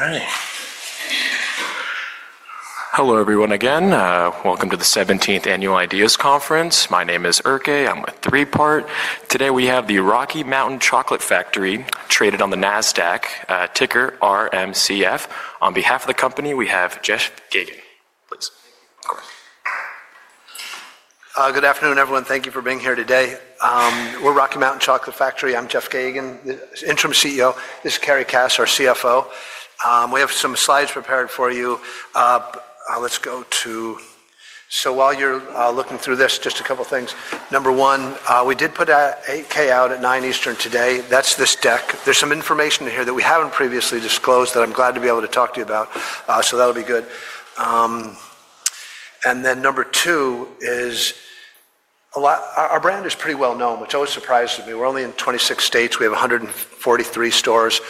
All right. Hello, everyone again. Welcome to the 17th Annual Ideas Conference. My name is Erke. I'm with Three Part. Today we have the Rocky Mountain Chocolate Factory traded on the NASDAQ, ticker RMCF. On behalf of the company, we have Jeff Geygan. Please. Of course. Good afternoon, everyone. Thank you for being here today. We're Rocky Mountain Chocolate Factory. I'm Jeff Geygan, interim CEO. This is Carrie Cass, our CFO. We have some slides prepared for you. Let's go to... While you're looking through this, just a couple of things. Number one, we did put K out at 9:00 A.M. Eastern today. That's this deck. There's some information here that we haven't previously disclosed that I'm glad to be able to talk to you about, so that'll be good. Number two is our brand is pretty well known, which always surprises me. We're only in 26 states. We have 143 stores.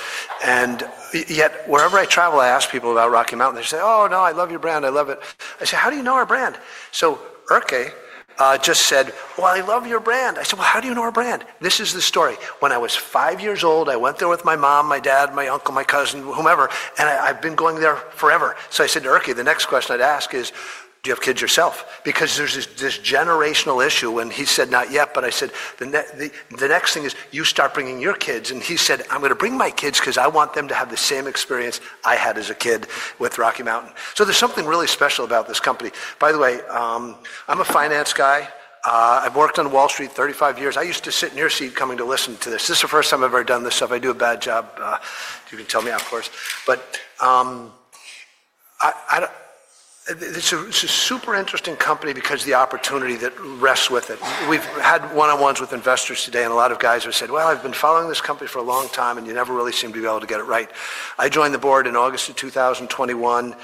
Yet, wherever I travel, I ask people about Rocky Mountain. They say, "Oh, no, I love your brand. I love it. I say, "How do you know our brand?" Erke just said, "I love your brand." I said, "How do you know our brand?" This is the story. When I was five years old, I went there with my mom, my dad, my uncle, my cousin, whomever, and I've been going there forever. I said to Erke, the next question I'd ask is, "Do you have kids yourself?" because there's this generational issue. He said, "Not yet." I said, "The next thing is you start bringing your kids." He said, "I'm going to bring my kids because I want them to have the same experience I had as a kid with Rocky Mountain." There's something really special about this company. By the way, I'm a finance guy. I've worked on Wall Street 35 years. I used to sit in your seat coming to listen to this. This is the first time I've ever done this stuff. I do a bad job. You can tell me afterwards. It is a super interesting company because of the opportunity that rests with it. We've had one-on-ones with investors today, and a lot of guys have said, "Well, I've been following this company for a long time, and you never really seem to be able to get it right." I joined the board in August of 2021.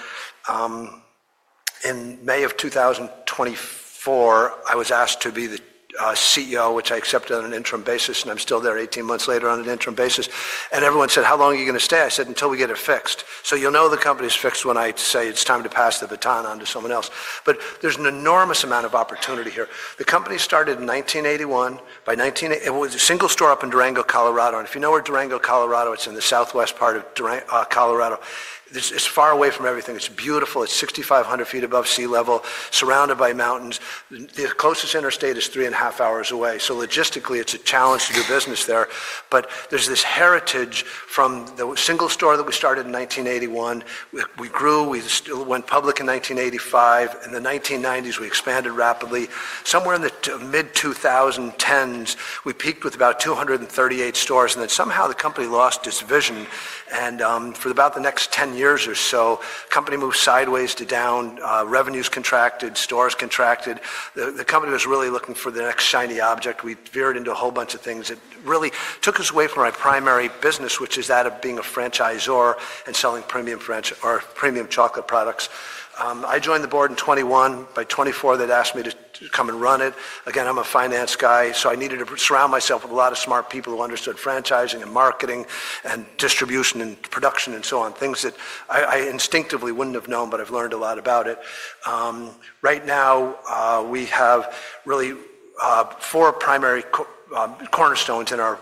In May of 2024, I was asked to be the CEO, which I accepted on an interim basis, and I'm still there 18 months later on an interim basis. Everyone said, "How long are you going to stay?" I said, "Until we get it fixed." You'll know the company's fixed when I say it's time to pass the baton on to someone else. There's an enormous amount of opportunity here. The company started in 1981. It was a single store up in Durango, Colorado. If you know where Durango, Colorado is, it's in the southwest part of Colorado. It's far away from everything. It's beautiful. It's 6,500 ft above sea level, surrounded by mountains. The closest interstate is three and a half hours away. Logistically, it's a challenge to do business there. There's this heritage from the single store that we started in 1981. We grew. We went public in 1985. In the 1990s, we expanded rapidly. Somewhere in the mid-2010s, we peaked with about 238 stores. The company lost its vision. For about the next 10 years or so, the company moved sideways to down. Revenues contracted, stores contracted. The company was really looking for the next shiny object. We veered into a whole bunch of things. It really took us away from our primary business, which is that of being a franchisor and selling premium chocolate products. I joined the board in 2021. By 2024, they had asked me to come and run it. Again, I'm a finance guy, so I needed to surround myself with a lot of smart people who understood franchising and marketing and distribution and production and so on, things that I instinctively would not have known, but I have learned a lot about it. Right now, we have really four primary cornerstones in our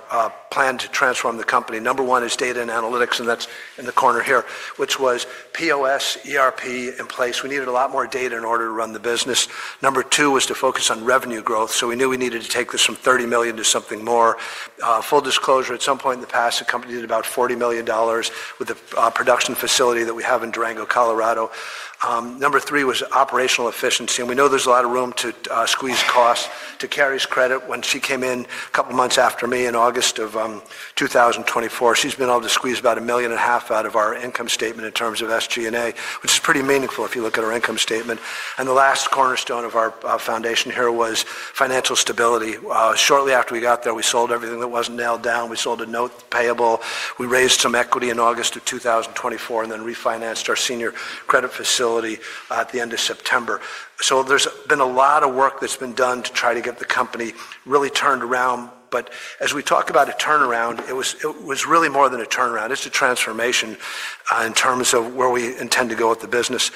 plan to transform the company. Number one is data and analytics, and that's in the corner here, which was POS, ERP in place. We needed a lot more data in order to run the business. Number two was to focus on revenue growth. We knew we needed to take this from $30 million to something more. Full disclosure, at some point in the past, the company did about $40 million with a production facility that we have in Durango, Colorado. Number three was operational efficiency. We know there's a lot of room to squeeze costs. To Carrie's credit, when she came in a couple of months after me in August of 2024, she's been able to squeeze about $1.5 million out of our income statement in terms of SG&A, which is pretty meaningful if you look at our income statement. The last cornerstone of our foundation here was financial stability. Shortly after we got there, we sold everything that was not nailed down. We sold a note payable. We raised some equity in August of 2024 and then refinanced our senior credit facility at the end of September. There has been a lot of work that has been done to try to get the company really turned around. As we talk about a turnaround, it was really more than a turnaround. It is a transformation in terms of where we intend to go with the business.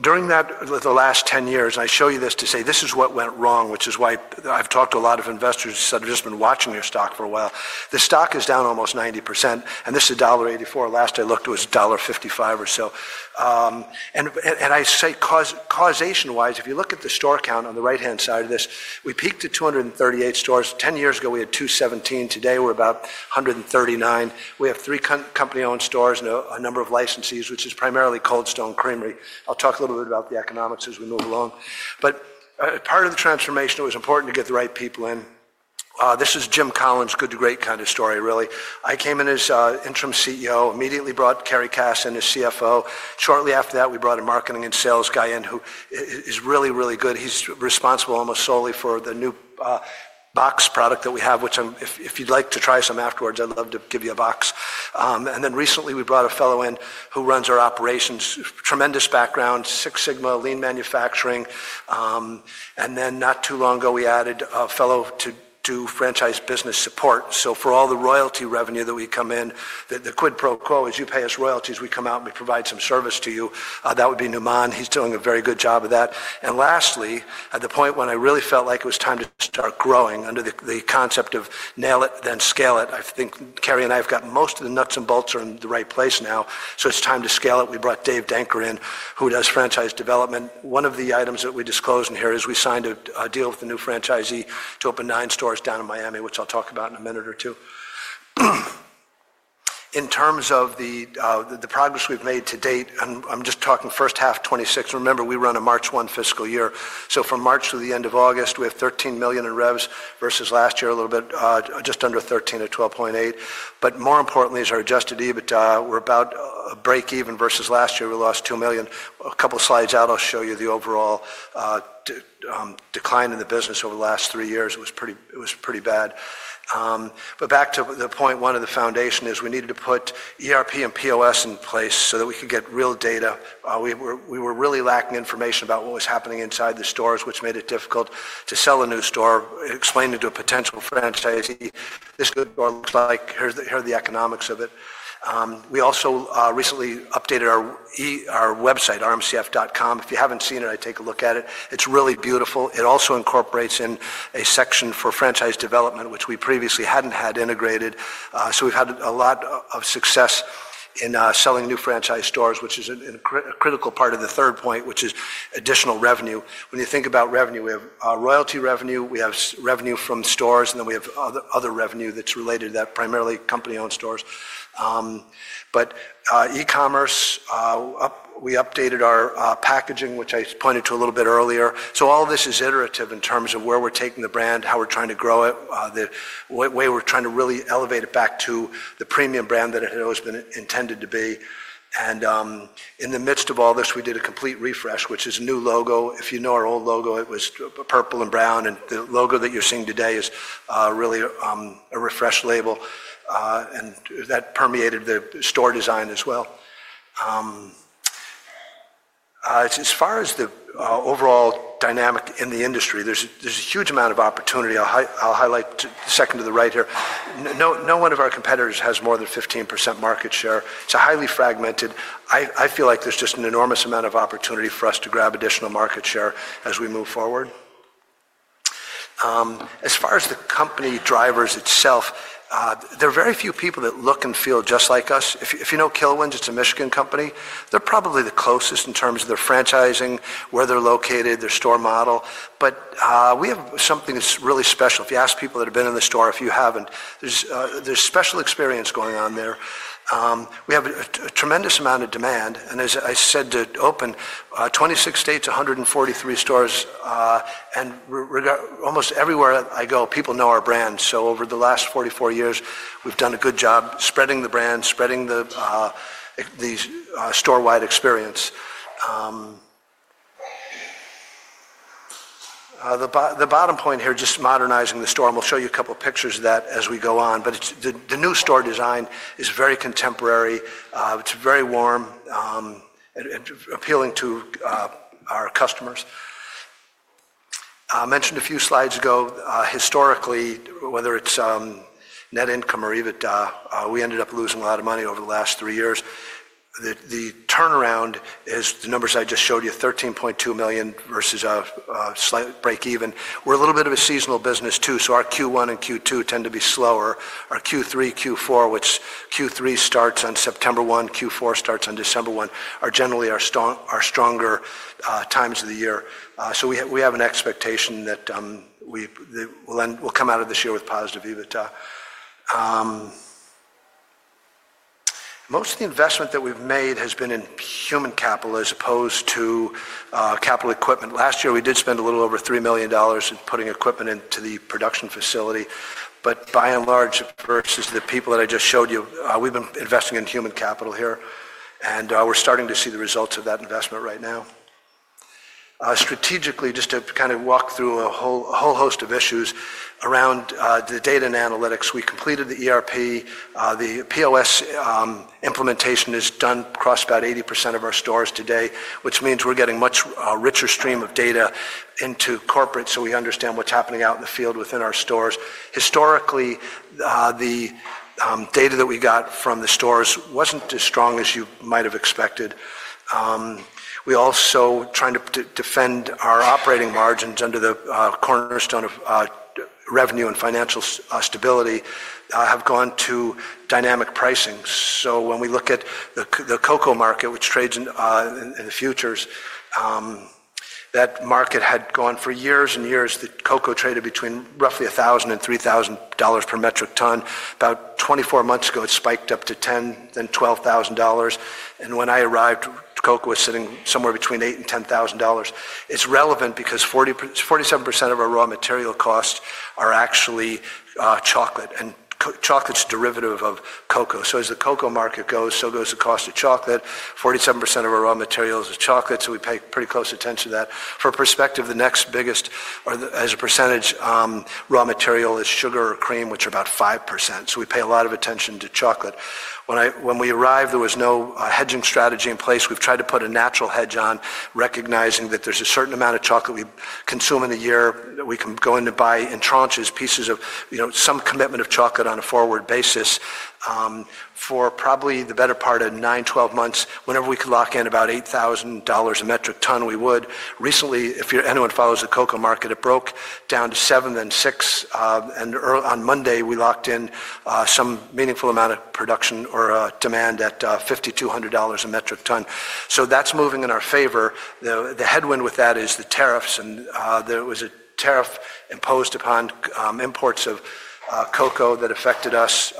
During the last 10 years, and I show you this to say this is what went wrong, which is why I have talked to a lot of investors who said, "I have just been watching your stock for a while." The stock is down almost 90%. This is $1.84. Last I looked, it was $1.55 or so. I say causation-wise, if you look at the store count on the right-hand side of this, we peaked at 238 stores. Ten years ago, we had 217. Today, we're about 139. We have three company-owned stores and a number of licensees, which is primarily Cold Stone Creamery. I'll talk a little bit about the economics as we move along. Part of the transformation, it was important to get the right people in. This is Jim Collins' good-to-great kind of story, really. I came in as interim CEO, immediately brought Carrie Cass in as CFO. Shortly after that, we brought a marketing and sales guy in who is really, really good. He's responsible almost solely for the new box product that we have, which if you'd like to try some afterwards, I'd love to give you a box. Recently, we brought a fellow in who runs our operations, tremendous background, Six Sigma, lean manufacturing. Not too long ago, we added a fellow to do franchise business support. For all the royalty revenue that we come in, the quid pro quo is you pay us royalties, we come out and we provide some service to you. That would be Niman. He's doing a very good job of that. Lastly, at the point when I really felt like it was time to start growing under the concept of nail it, then scale it, I think Carrie and I have got most of the nuts and bolts are in the right place now. It's time to scale it. We brought Dave Danker in, who does franchise development. One of the items that we disclosed in here is we signed a deal with a new franchisee to open nine stores down in Miami, which I'll talk about in a minute or two. In terms of the progress we've made to date, I'm just talking first half 2026. Remember, we run a March 1 fiscal year. From March to the end of August, we have $13 million in revs versus last year, a little bit just under $13 million at $12.8 million. More importantly, as for our Adjusted EBITDA, we're about at break-even versus last year. We lost $2 million. A couple of slides out, I'll show you the overall decline in the business over the last three years. It was pretty bad. Back to the point, one of the foundations is we needed to put ERP and POS in place so that we could get real data. We were really lacking information about what was happening inside the stores, which made it difficult to sell a new store. Explain it to a potential franchisee. This good store looks like. Here are the economics of it. We also recently updated our website, rmcf.com. If you have not seen it, I take a look at it. It is really beautiful. It also incorporates in a section for franchise development, which we previously had not had integrated. We have had a lot of success in selling new franchise stores, which is a critical part of the third point, which is additional revenue. When you think about revenue, we have royalty revenue, we have revenue from stores, and then we have other revenue that is related to that, primarily company-owned stores. E-commerce, we updated our packaging, which I pointed to a little bit earlier. All of this is iterative in terms of where we're taking the brand, how we're trying to grow it, the way we're trying to really elevate it back to the premium brand that it has always been intended to be. In the midst of all this, we did a complete refresh, which is a new logo. If you know our old logo, it was purple and brown, and the logo that you're seeing today is really a refreshed label. That permeated the store design as well. As far as the overall dynamic in the industry, there's a huge amount of opportunity. I'll highlight the second to the right here. No one of our competitors has more than 15% market share. It's highly fragmented. I feel like there's just an enormous amount of opportunity for us to grab additional market share as we move forward. As far as the company drivers itself, there are very few people that look and feel just like us. If you know Kilwins, it's a Michigan company. They're probably the closest in terms of their franchising, where they're located, their store model. We have something that's really special. If you ask people that have been in the store, if you haven't, there's special experience going on there. We have a tremendous amount of demand. As I said to open, 26 states, 143 stores. Almost everywhere I go, people know our brand. Over the last 44 years, we've done a good job spreading the brand, spreading the store-wide experience. The bottom point here, just modernizing the store. We'll show you a couple of pictures of that as we go on. The new store design is very contemporary. It's very warm and appealing to our customers. I mentioned a few slides ago, historically, whether it's net income or EBITDA, we ended up losing a lot of money over the last three years. The turnaround is the numbers I just showed you, $13.2 million versus a slight break-even. We're a little bit of a seasonal business too. Our Q1 and Q2 tend to be slower. Our Q3, Q4, which Q3 starts on September 1, Q4 starts on December 1, are generally our stronger times of the year. We have an expectation that we'll come out of this year with positive EBITDA. Most of the investment that we've made has been in human capital as opposed to capital equipment. Last year, we did spend a little over $3 million in putting equipment into the production facility. By and large, versus the people that I just showed you, we've been investing in human capital here. We're starting to see the results of that investment right now. Strategically, just to kind of walk through a whole host of issues around the data and analytics, we completed the ERP. The POS implementation is done across about 80% of our stores today, which means we're getting a much richer stream of data into corporate so we understand what's happening out in the field within our stores. Historically, the data that we got from the stores wasn't as strong as you might have expected. We also, trying to defend our operating margins under the cornerstone of revenue and financial stability, have gone to dynamic pricing. When we look at the cocoa market, which trades in the futures, that market had gone for years and years. The cocoa traded between roughly $1,000 and $3,000 per metric ton. About 24 months ago, it spiked up to $10,000, then $12,000. When I arrived, cocoa was sitting somewhere between $8,000 and $10,000. It's relevant because 47% of our raw material costs are actually chocolate. And chocolate's a derivative of cocoa. As the cocoa market goes, so goes the cost of chocolate. 47% of our raw materials is chocolate. We pay pretty close attention to that. For perspective, the next biggest as a percentage raw material is sugar or cream, which are about 5%. We pay a lot of attention to chocolate. When we arrived, there was no hedging strategy in place. We've tried to put a natural hedge on, recognizing that there's a certain amount of chocolate we consume in the year that we can go in to buy in tranches, pieces of some commitment of chocolate on a forward basis. For probably the better part of nine, 12 months, whenever we could lock in about $8,000 a metric ton, we would. Recently, if anyone follows the cocoa market, it broke down to seven, then six. On Monday, we locked in some meaningful amount of production or demand at $5,200 a metric ton. That is moving in our favor. The headwind with that is the tariffs. There was a tariff imposed upon imports of cocoa that affected us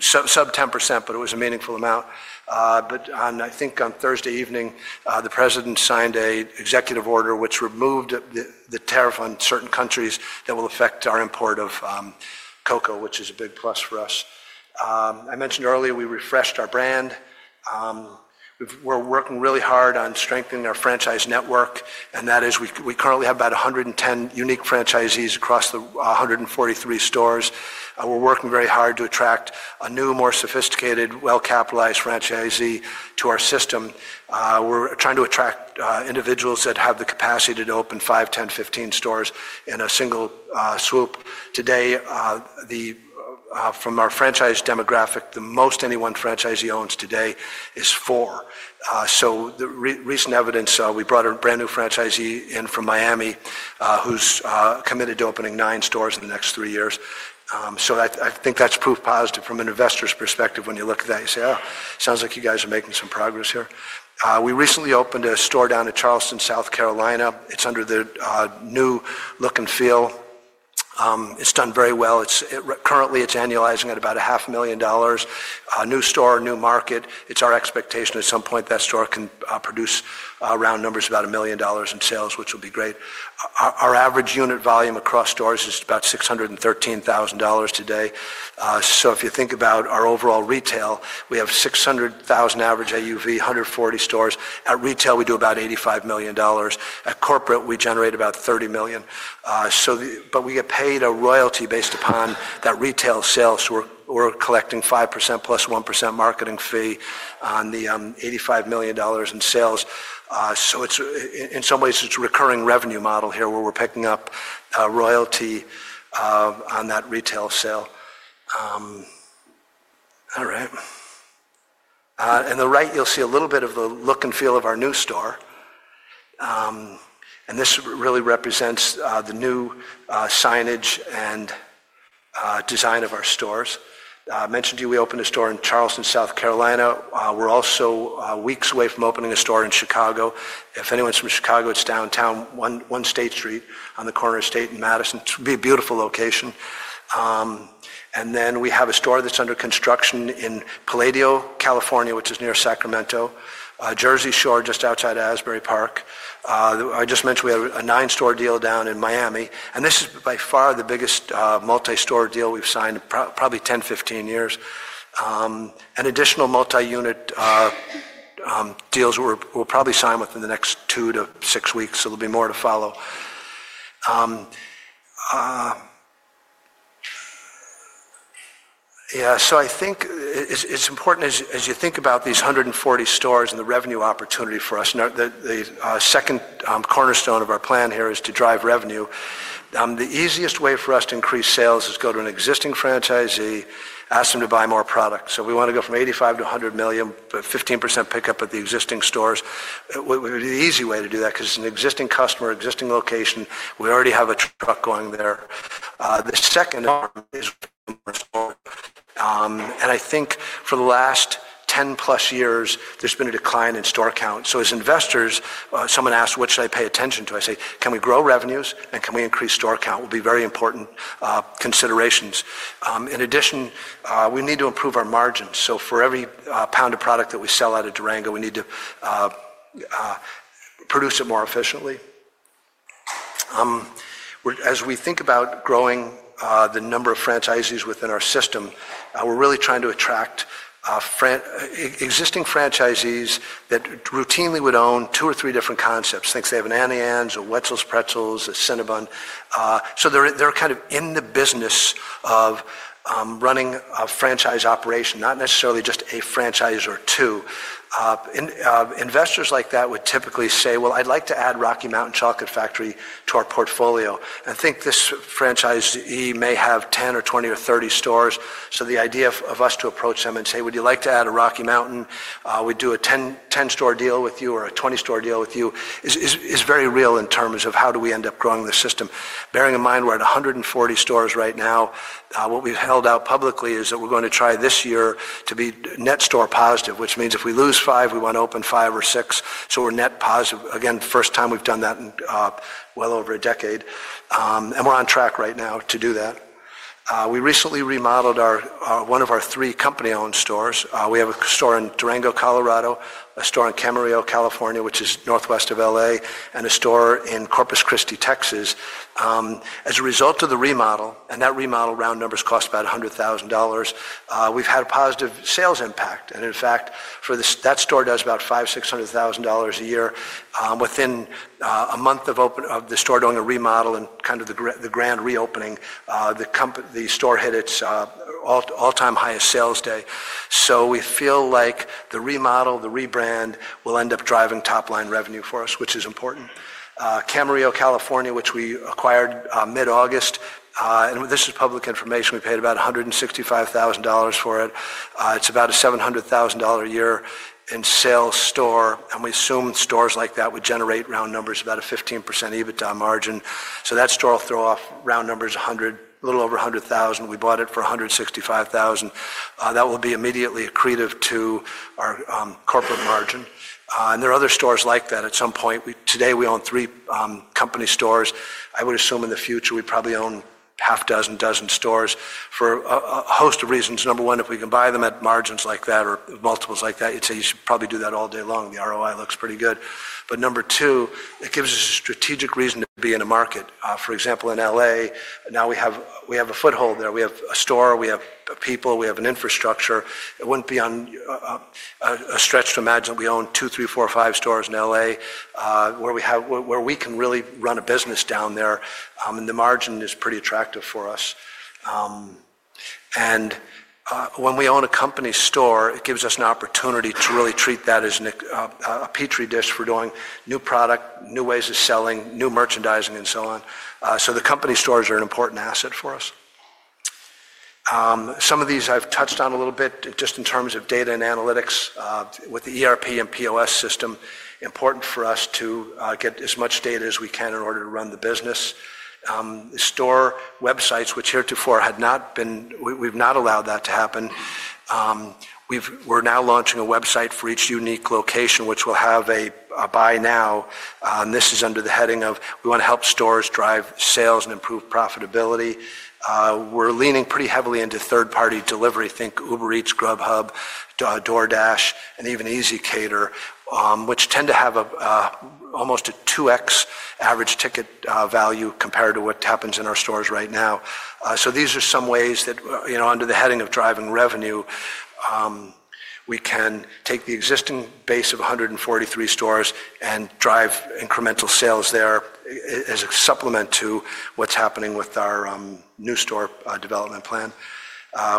sub 10%, but it was a meaningful amount. I think on Thursday evening, the president signed an executive order which removed the tariff on certain countries that will affect our import of cocoa, which is a big plus for us. I mentioned earlier, we refreshed our brand. We are working really hard on strengthening our franchise network. That is, we currently have about 110 unique franchisees across the 143 stores. We're working very hard to attract a new, more sophisticated, well-capitalized franchisee to our system. We're trying to attract individuals that have the capacity to open five, 10, 15 stores in a single swoop. Today, from our franchise demographic, the most any one franchisee owns today is four. Recent evidence, we brought a brand new franchisee in from Miami who's committed to opening nine stores in the next three years. I think that's proof positive from an investor's perspective. When you look at that, you say, "Oh, it sounds like you guys are making some progress here." We recently opened a store down in Charleston, South Carolina. It's under the new look and feel. It's done very well. Currently, it's annualizing at about $500,000. New store, new market. It's our expectation at some point that store can produce round numbers of about a million dollars in sales, which will be great. Our average unit volume across stores is about $613,000 today. If you think about our overall retail, we have $600,000 average AUV, 140 stores. At retail, we do about $85 million. At corporate, we generate about $30 million. We get paid a royalty based upon that retail sale. We're collecting 5% + 1% marketing fee on the $85 million in sales. In some ways, it's a recurring revenue model here where we're picking up royalty on that retail sale. All right. On the right, you'll see a little bit of the look and feel of our new store. This really represents the new signage and design of our stores. I mentioned to you we opened a store in Charleston, South Carolina. We're also weeks away from opening a store in Chicago. If anyone's from Chicago, it's downtown, one State Street on the corner of State and Madison. It's a beautiful location. We have a store that's under construction in Palladio, California, which is near Sacramento, Jersey Shore just outside Asbury Park. I just mentioned we have a nine-store deal down in Miami. This is by far the biggest multi-store deal we've signed in probably 10-15 years. Additional multi-unit deals we'll probably sign within the next two to six weeks. There'll be more to follow. Yeah. I think it's important as you think about these 140 stores and the revenue opportunity for us. The second cornerstone of our plan here is to drive revenue. The easiest way for us to increase sales is to go to an existing franchisee, ask them to buy more product. We want to go from $85 million to $100 million, but 15% pickup at the existing stores. The easy way to do that because it's an existing customer, existing location. We already have a truck going there. The second arm is store. I think for the last 10+ years, there's been a decline in store count. As investors, someone asked, "What should I pay attention to?" I say, "Can we grow revenues and can we increase store count?" Will be very important considerations. In addition, we need to improve our margins. For every pound of product that we sell out of Durango, we need to produce it more efficiently. As we think about growing the number of franchisees within our system, we're really trying to attract existing franchisees that routinely would own two or three different concepts. Think they have an Auntie Anne's, a Wetzel's Pretzels, a Cinnabon. They are kind of in the business of running a franchise operation, not necessarily just a franchise or two. Investors like that would typically say, "I'd like to add Rocky Mountain Chocolate Factory to our portfolio." I think this franchisee may have 10 or 20 or 30 stores. The idea of us to approach them and say, "Would you like to add a Rocky Mountain? We'd do a 10-store deal with you or a 20-store deal with you," is very real in terms of how do we end up growing the system. Bearing in mind we are at 140 stores right now, what we have held out publicly is that we are going to try this year to be net store positive, which means if we lose five, we want to open five or six. We are net positive. Again, first time we've done that in well over a decade. We're on track right now to do that. We recently remodeled one of our three company-owned stores. We have a store in Durango, Colorado, a store in Camarillo, California, which is northwest of LA, and a store in Corpus Christi, Texas. As a result of the remodel, and that remodel round numbers cost about $100,000, we've had a positive sales impact. In fact, that store does about $500,000-$600,000 a year. Within a month of the store doing a remodel and kind of the grand reopening, the store hit its all-time highest sales day. We feel like the remodel, the rebrand will end up driving top-line revenue for us, which is important. Camarillo, California, which we acquired mid-August. This is public information. We paid about $165,000 for it. It's about a $700,000 a year in sales store. We assume stores like that would generate, round numbers, about a 15% EBITDA margin. That store will throw off, round numbers, a little over $100,000. We bought it for $165,000. That will be immediately accretive to our corporate margin. There are other stores like that. At some point, today we own three company stores. I would assume in the future we probably own half a dozen, dozen stores for a host of reasons. Number one, if we can buy them at margins like that or multiples like that, you'd say you should probably do that all day long. The ROI looks pretty good. Number two, it gives us a strategic reason to be in a market. For example, in LA, now we have a foothold there. We have a store. We have people. We have an infrastructure. It wouldn't be a stretch to imagine that we own two, three, four, five stores in Los Angeles where we can really run a business down there. The margin is pretty attractive for us. When we own a company store, it gives us an opportunity to really treat that as a petri dish for doing new product, new ways of selling, new merchandising, and so on. The company stores are an important asset for us. Some of these I've touched on a little bit just in terms of data and analytics with the ERP and POS system. It is important for us to get as much data as we can in order to run the business. Store websites, which heretofore had not been—we've not allowed that to happen. We are now launching a website for each unique location, which will have a buy now. This is under the heading of we want to help stores drive sales and improve profitability. We're leaning pretty heavily into third-party delivery. Think Uber Eats, Grubhub, DoorDash, and even EzCater, which tend to have almost a 2x average ticket value compared to what happens in our stores right now. These are some ways that under the heading of driving revenue, we can take the existing base of 143 stores and drive incremental sales there as a supplement to what's happening with our new store development plan.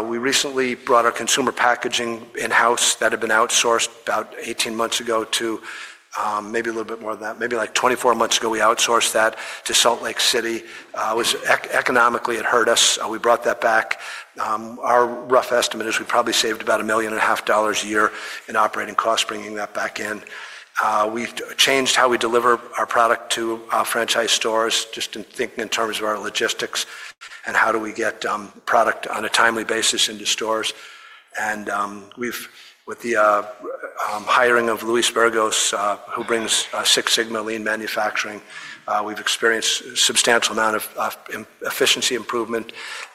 We recently brought our consumer packaging in-house that had been outsourced about 18 months ago to maybe a little bit more than that. Maybe like 24 months ago, we outsourced that to Salt Lake City. Economically, it hurt us. We brought that back. Our rough estimate is we probably saved about $1.5 million a year in operating costs bringing that back in. We have changed how we deliver our product to franchise stores just in thinking in terms of our logistics and how do we get product on a timely basis into stores. With the hiring of Luis Burgos, who brings Six Sigma lean manufacturing, we have experienced a substantial amount of efficiency improvement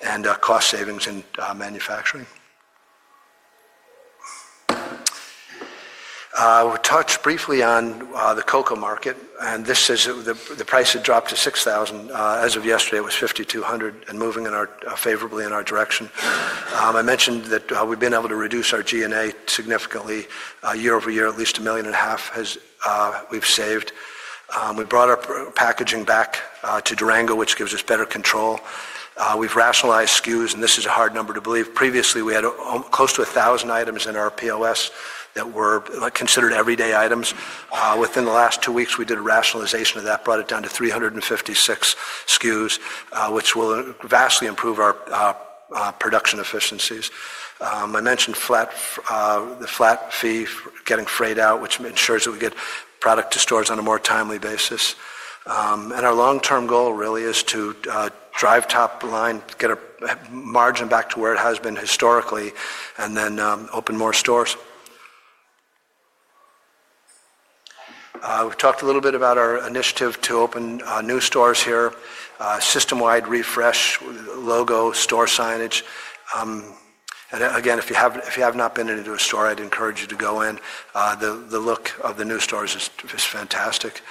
and cost savings in manufacturing. We touched briefly on the cocoa market. The price had dropped to $6,000. As of yesterday, it was $5,200 and moving favorably in our direction. I mentioned that we have been able to reduce our G&A significantly. Year-over-year, at least $1.5 million we have saved. We brought our packaging back to Durango, which gives us better control. We've rationalized SKUs, and this is a hard number to believe. Previously, we had close to 1,000 items in our POS that were considered everyday items. Within the last two weeks, we did a rationalization of that, brought it down to 356 SKUs, which will vastly improve our production efficiencies. I mentioned the flat fee getting freed out, which ensures that we get product to stores on a more timely basis. Our long-term goal really is to drive top line, get a margin back to where it has been historically, and then open more stores. We've talked a little bit about our initiative to open new stores here, system-wide refresh, logo store signage. If you have not been into a store, I'd encourage you to go in. The look of the new stores is fantastic.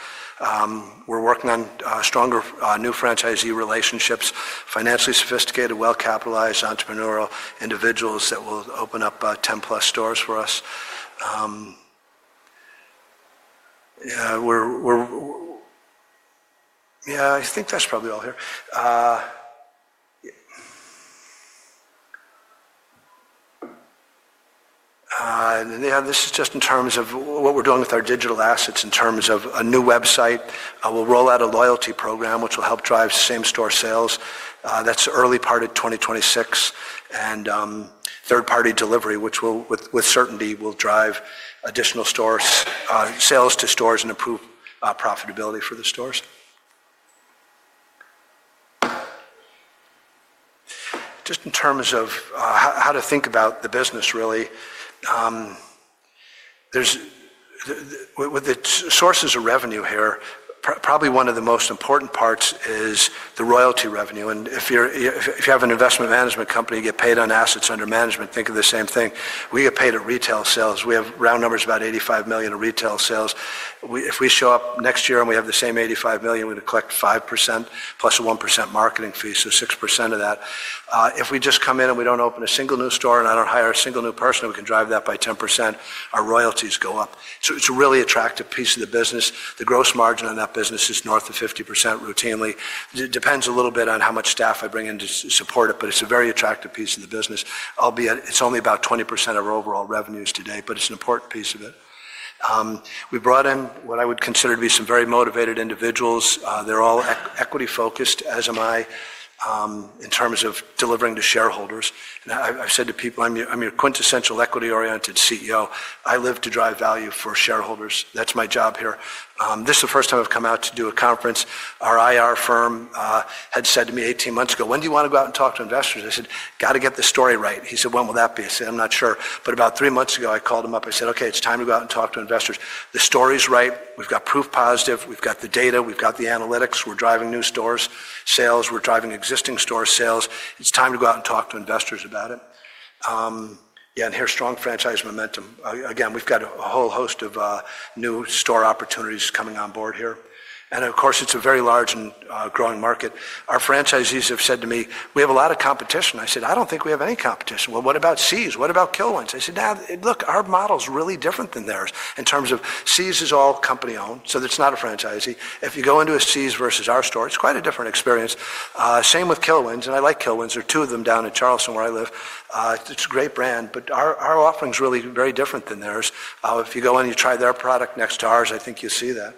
We're working on stronger new franchisee relationships, financially sophisticated, well-capitalized entrepreneurial individuals that will open up 10+ stores for us. I think that's probably all here. This is just in terms of what we're doing with our digital assets in terms of a new website. We'll roll out a loyalty program, which will help drive same-store sales. That's early part of 2026. Third-party delivery, which with certainty will drive additional sales to stores and improve profitability for the stores. Just in terms of how to think about the business, really, with the sources of revenue here, probably one of the most important parts is the royalty revenue. If you have an investment management company, you get paid on assets under management, think of the same thing. We get paid at retail sales. We have round numbers about $85 million in retail sales. If we show up next year and we have the same $85 million, we're going to collect 5% plus a 1% marketing fee, so 6% of that. If we just come in and we don't open a single new store and I don't hire a single new person, we can drive that by 10%. Our royalties go up. It is a really attractive piece of the business. The gross margin on that business is north of 50% routinely. It depends a little bit on how much staff I bring in to support it, but it is a very attractive piece of the business. Albeit, it is only about 20% of our overall revenues today, but it is an important piece of it. We brought in what I would consider to be some very motivated individuals. They're all equity-focused, as am I, in terms of delivering to shareholders. I've said to people, "I'm your quintessential equity-oriented CEO. I live to drive value for shareholders. That's my job here." This is the first time I've come out to do a conference. Our IR firm had said to me 18 months ago, "When do you want to go out and talk to investors?" I said, "Got to get the story right." He said, "When will that be?" I said, "I'm not sure." About three months ago, I called him up. I said, "Okay, it's time to go out and talk to investors. The story is right. We've got proof positive. We've got the data. We've got the analytics. We're driving new stores sales. We're driving existing stores sales. It's time to go out and talk to investors about it." Yeah, and here's strong franchise momentum. Again, we've got a whole host of new store opportunities coming on board here. Of course, it's a very large and growing market. Our franchisees have said to me, "We have a lot of competition." I said, "I don't think we have any competition." "Well, what about See's? What about Kilwins?" I said, "Now, look, our model is really different than theirs in terms of See's is all company-owned, so that's not a franchisee. If you go into a See's versus our store, it's quite a different experience. Same with Kilwins. I like Kilwins. There are two of them down in Charleston where I live. It's a great brand, but our offering is really very different than theirs. If you go in and you try their product next to ours, I think you'll see that.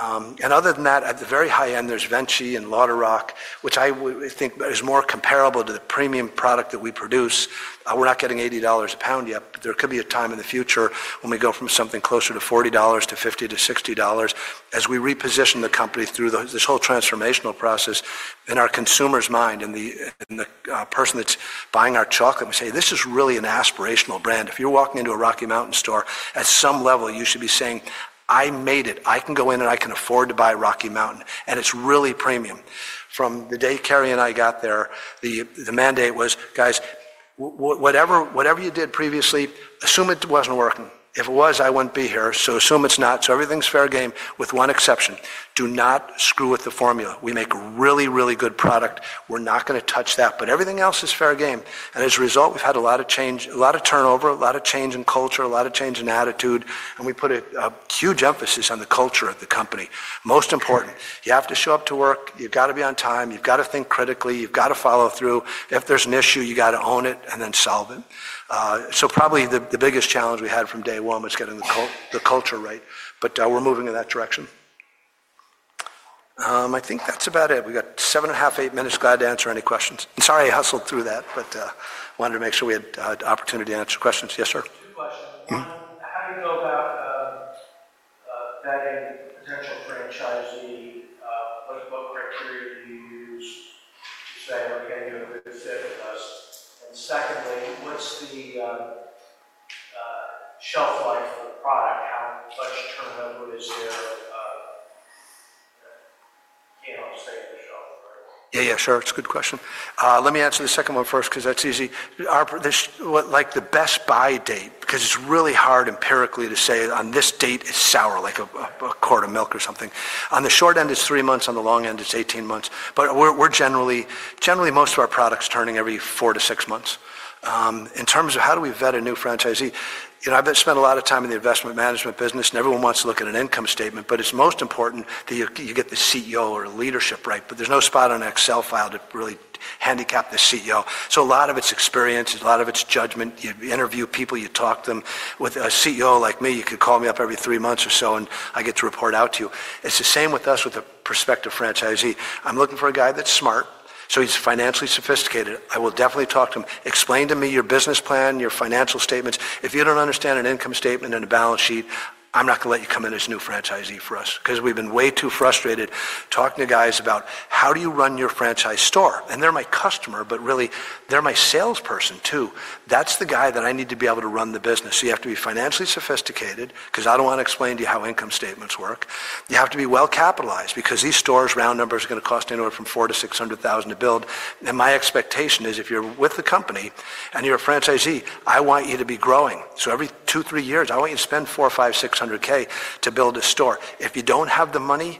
Other than that, at the very high end, there's Venchi and Lauterrock, which I think is more comparable to the premium product that we produce. We're not getting $80 a pound yet, but there could be a time in the future when we go from something closer to $40-$50-$60 as we reposition the company through this whole transformational process. In our consumer's mind, in the person that's buying our chocolate, we say, "This is really an aspirational brand. If you're walking into a Rocky Mountain store, at some level, you should be saying, 'I made it. I can go in and I can afford to buy Rocky Mountain. And it's really premium.'" From the day Carrie and I got there, the mandate was, "Guys, whatever you did previously, assume it wasn't working. If it was, I wouldn't be here. So assume it's not. Everything's fair game with one exception. Do not screw with the formula. We make a really, really good product. We're not going to touch that. Everything else is fair game. As a result, we've had a lot of change, a lot of turnover, a lot of change in culture, a lot of change in attitude. We put a huge emphasis on the culture of the company. Most important, you have to show up to work. You've got to be on time. You've got to think critically. You've got to follow through. If there's an issue, you got to own it and then solve it. Probably the biggest challenge we had from day one was getting the culture right. We're moving in that direction. I think that's about it. We got seven and a half, eight minutes. Glad to answer any questions. Sorry, I hustled through that, but wanted to make sure we had opportunity to answer questions. Yes, sir? Two questions. How do you go about vetting potential franchisee? What criteria do you use to say, "Okay, you're a good fit for us?" Secondly, what's the shelf life of the product? How much turnover is there? You can't all stay on the shelf forever. Yeah, yeah, sure. It's a good question. Let me answer the second one first because that's easy. The best buy date, because it's really hard empirically to say, "On this date, it's sour," like a quart of milk or something. On the short end, it's three months. On the long end, it's 18 months. Generally, most of our product is turning every four to six months. In terms of how do we vet a new franchisee, I've spent a lot of time in the investment management business, and everyone wants to look at an income statement, but it's most important that you get the CEO or leadership right. There's no spot on an Excel file to really handicap the CEO. A lot of it's experience, a lot of it's judgment. You interview people, you talk to them. With a CEO like me, you could call me up every three months or so, and I get to report out to you. It's the same with us with a prospective franchisee. I'm looking for a guy that's smart, so he's financially sophisticated. I will definitely talk to him. Explain to me your business plan, your financial statements. If you don't understand an income statement and a balance sheet, I'm not going to let you come in as a new franchisee for us because we've been way too frustrated talking to guys about how do you run your franchise store. They're my customer, but really, they're my salesperson too. That's the guy that I need to be able to run the business. You have to be financially sophisticated because I don't want to explain to you how income statements work. You have to be well-capitalized because these stores' round numbers are going to cost anywhere from $400,000-$600,000 to build. My expectation is if you're with the company and you're a franchisee, I want you to be growing. Every two, three years, I want you to spend $400,000, $500,000, $600,000 to build a store. If you don't have the money,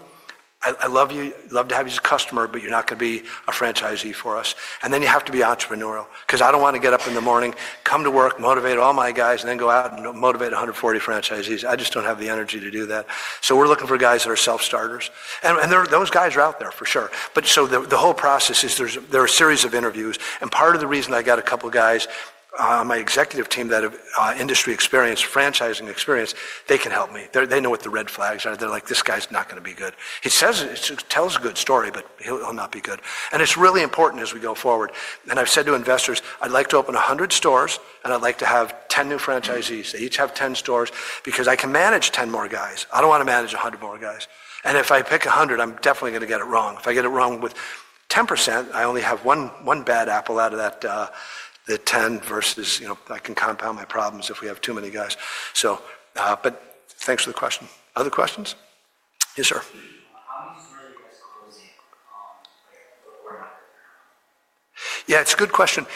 I love to have you as a customer, but you're not going to be a franchisee for us. You have to be entrepreneurial because I don't want to get up in the morning, come to work, motivate all my guys, and then go out and motivate 140 franchisees. I just don't have the energy to do that. We're looking for guys that are self-starters. Those guys are out there, for sure. The whole process is there are a series of interviews. Part of the reason I got a couple of guys on my executive team that have industry experience, franchising experience, they can help me. They know what the red flags are. They're like, "This guy's not going to be good. He tells a good story, but he'll not be good." It is really important as we go forward. I have said to investors, "I'd like to open 100 stores, and I'd like to have 10 new franchisees. They each have 10 stores because I can manage 10 more guys. I don't want to manage 100 more guys. If I pick 100, I'm definitely going to get it wrong. If I get it wrong with 10%, I only have one bad apple out of that 10 versus I can compound my problems if we have too many guys." Thanks for the question. Other questions? Yes, sir. How many stores are you guys closing before market time? Yeah, it's a good question.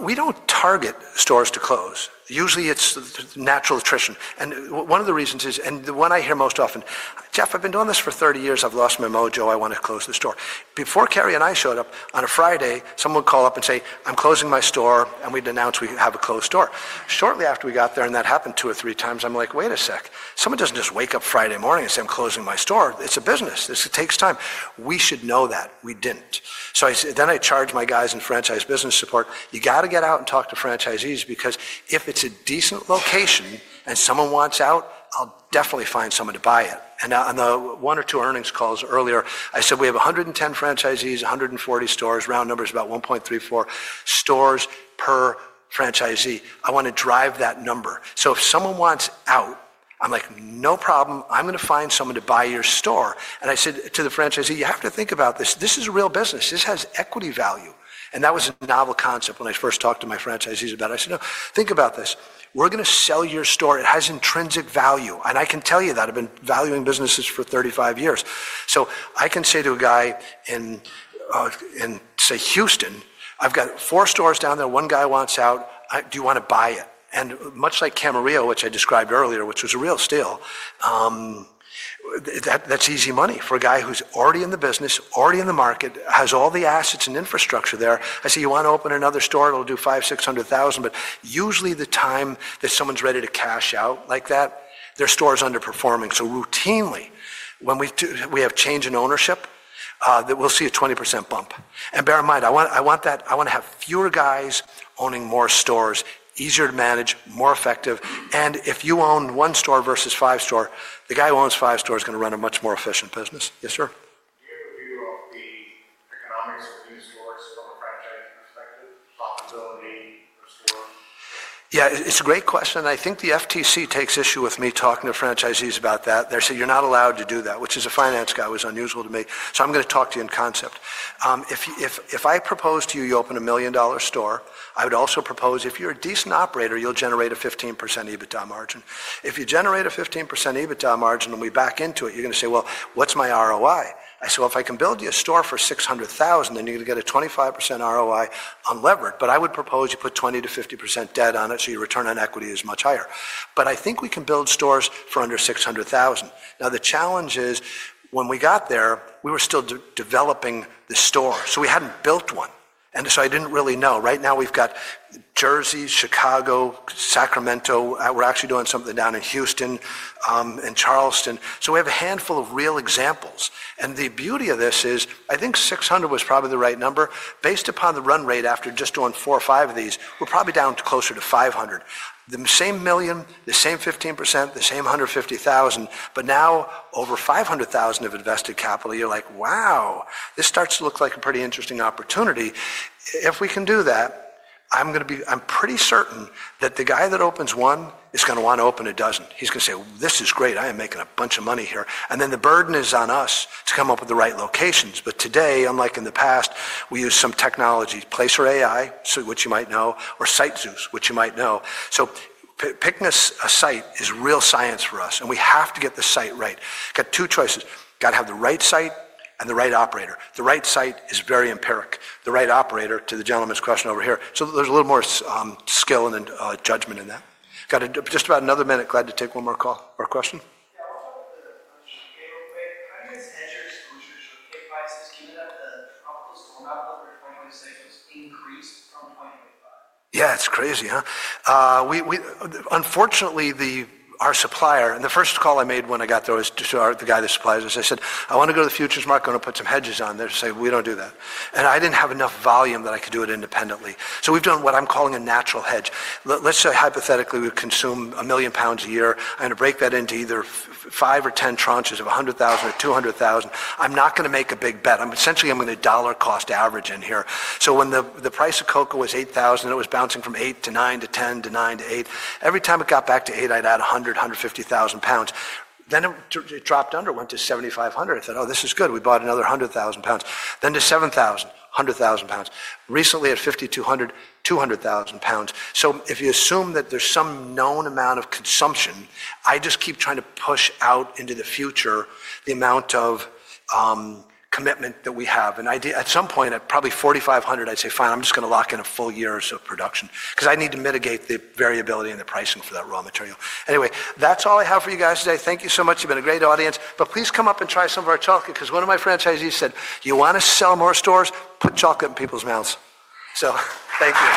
We don't target stores to close. Usually, it's natural attrition. One of the reasons is, and the one I hear most often, "Jeff, I've been doing this for 30 years. I've lost my mojo. I want to close the store." Before Carrie and I showed up on a Friday, someone would call up and say, "I'm closing my store," and we'd announce we have a closed store. Shortly after we got there, and that happened two or three times, I'm like, "Wait a sec. Someone doesn't just wake up Friday morning and say, 'I'm closing my store.' It's a business. This takes time." We should know that. We didn't. I charged my guys in franchise business support, "You got to get out and talk to franchisees because if it's a decent location and someone wants out, I'll definitely find someone to buy it." On the one or two earnings calls earlier, I said, "We have 110 franchisees, 140 stores. Round number is about 1.34 stores per franchisee. I want to drive that number. If someone wants out, I'm like, 'No problem. I'm going to find someone to buy your store.'" I said to the franchisee, "You have to think about this. This is a real business. This has equity value." That was a novel concept when I first talked to my franchisees about it. I said, "No, think about this. We're going to sell your store. It has intrinsic value." I can tell you that. I've been valuing businesses for 35 years. I can say to a guy in, say, Houston, "I've got four stores down there. One guy wants out. Do you want to buy it?" Much like Camarillo, which I described earlier, which was a real steal, that's easy money for a guy who's already in the business, already in the market, has all the assets and infrastructure there. I say, "You want to open another store? It'll do $500,000-$600,000." Usually, the time that someone's ready to cash out like that, their store is underperforming. Routinely, when we have change in ownership, we'll see a 20% bump. Bear in mind, I want to have fewer guys owning more stores, easier to manage, more effective. If you own one store versus five stores, the guy who owns five stores is going to run a much more efficient business. Yes, sir? Do you have a view of the economics of new stores from a franchisee perspective? Profitability of stores? Yeah, it's a great question. I think the FTC takes issue with me talking to franchisees about that. They say, "You're not allowed to do that," which as a finance guy was unusual to me. I am going to talk to you in concept. If I propose to you, you open a $1 million store, I would also propose, if you're a decent operator, you'll generate a 15% EBITDA margin. If you generate a 15% EBITDA margin and we back into it, you're going to say, "What's my ROI?" I say, "If I can build you a store for $600,000, then you're going to get a 25% ROI on leverage." I would propose you put 20%-50% debt on it, so your return on equity is much higher. I think we can build stores for under $600,000. Now, the challenge is, when we got there, we were still developing the store. We had not built one. I did not really know. Right now, we have Jersey, Chicago, Sacramento. We are actually doing something down in Houston and Charleston. We have a handful of real examples. The beauty of this is, I think $600,000 was probably the right number. Based upon the run rate after just doing four or five of these, we are probably down closer to $500,000. The same $1 million, the same 15%, the same $150,000, but now over $500,000 of invested capital, you are like, "Wow, this starts to look like a pretty interesting opportunity." If we can do that, I am pretty certain that the guy that opens one is going to want to open a dozen. He is going to say, "This is great. I am making a bunch of money here." The burden is on us to come up with the right locations. Today, unlike in the past, we use some technology, Placer.ai, which you might know, or SiteZeus, which you might know. Picking a site is real science for us. We have to get the site right. Got two choices. Got to have the right site and the right operator. The right site is very empiric. The right operator, to the gentleman's question over here. There is a little more skill and judgment in that. Got just about another minute. Glad to take one more call or question. Yeah, what's up with the ship pay real quick? How do you guys hedge your exposure to cocoa prices given that the profitable store output for 2026 has increased from 2025? Yeah, it's crazy, huh? Unfortunately, our supplier, and the first call I made when I got there was to the guy that supplies, as I said, "I want to go to the futures market. I'm going to put some hedges on there." He said, "We don't do that." I didn't have enough volume that I could do it independently. We've done what I'm calling a natural hedge. Let's say hypothetically, we consume a million pounds a year. I'm going to break that into either five or ten tranches of 100,000 or 200,000. I'm not going to make a big bet. Essentially, I'm going to dollar cost average in here. When the price of cocoa was $8,000, it was bouncing from $8,000 to $9,000 to $10,000 to $9,000 to $8,000. Every time it got back to $8,000, I'd add 100,000 pounds, 150,000 pounds. It dropped under and went to $7,500. I said, "Oh, this is good. We bought another 100,000 pounds." It went to $7,000, 100,000 pounds. Recently at $5,200, 200,000 pounds. If you assume that there is some known amount of consumption, I just keep trying to push out into the future the amount of commitment that we have. At some point, at probably $4,500, I would say, "Fine, I am just going to lock in a full year or so of production." I need to mitigate the variability and the pricing for that raw material. Anyway, that is all I have for you guys today. Thank you so much. You have been a great audience. Please come up and try some of our chocolate because one of my franchisees said, "You want to sell more stores? Put chocolate in people's mouths." Thank you.